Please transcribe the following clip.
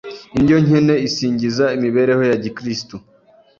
Indyo nkene isigingiza imibereho ya Gikristo —